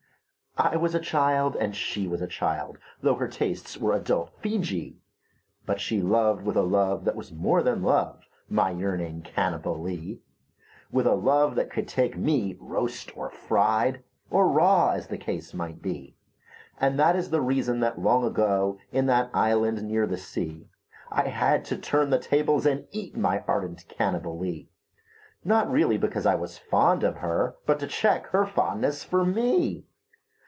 I was a child, and she was a child — Tho' her tastes were adult Feejee — But she loved with a love that was more than love, My yearning Cannibalee; With a love that could take me roast or fried Or raw, as the case might be. And that is the reason that long ago. In that island near the sea, I had to turn the tables and eat My ardent Cannibalee — Not really because I was fond of her, But to check her fondness for me.